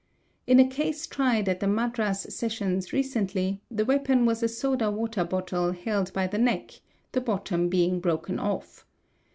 Ina case tried at the Madras Sessions 1 cently, the weapon was a soda water bottle held by the neck, the tom being broken off.